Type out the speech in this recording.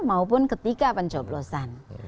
maupun ketika pencoblosan